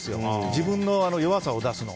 自分の弱さを出すの。